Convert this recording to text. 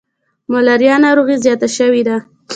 ملاریا ناروغي زیاته شوي ده.